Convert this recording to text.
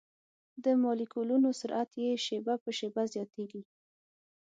د مالیکولونو سرعت یې شېبه په شېبه زیاتیږي.